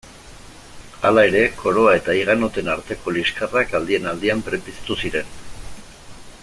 Hala ere koroa eta higanoten arteko liskarrak aldian-aldian berpiztu ziren.